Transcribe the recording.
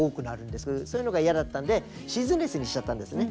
そういうのが嫌だったんでシーズンレスにしちゃったんですね。